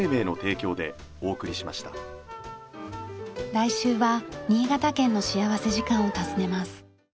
来週は新潟県の幸福時間を訪ねます。